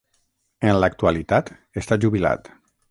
En l'actualitat està jubilat.